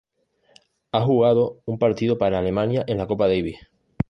Ha jugado un partido para Alemania en la Copa Davis.